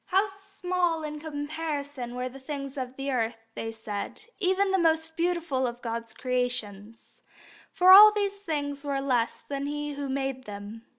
How small in comparison were the things of earth, they said, even the most beautiful of God's creations; for all these things were less than He who made them.